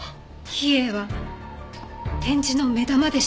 『比叡』は展示の目玉でした。